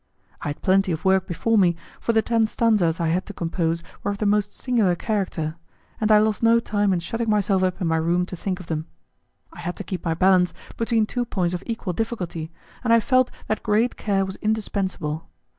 I had plenty of work before me, for the ten stanzas I had to compose were of the most singular character, and I lost no time in shutting myself up in my room to think of them. I had to keep my balance between two points of equal difficulty, and I felt that great care was indispensable.